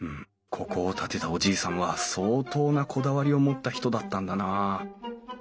ここを建てたおじいさんは相当なこだわりを持った人だったんだなあ。